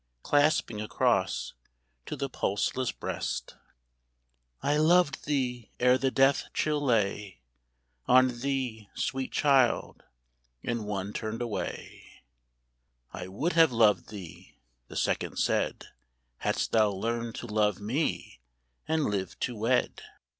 Clasping a cross to the pulseless breast. 42 THE THREE HORSEMEN: " I loved thee ere the death chill lay On thee, sweet child," and one turned away ;" I would have loved thee," the second said, " Hadst thou learned to love me, and lived to wed."